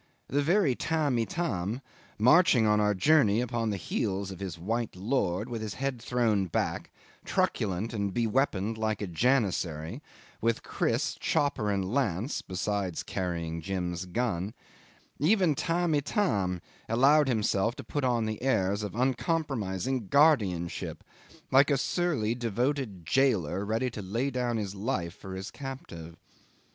The very Tamb' Itam, marching on our journeys upon the heels of his white lord, with his head thrown back, truculent and be weaponed like a janissary, with kriss, chopper, and lance (besides carrying Jim's gun); even Tamb' Itam allowed himself to put on the airs of uncompromising guardianship, like a surly devoted jailer ready to lay down his life for his captive.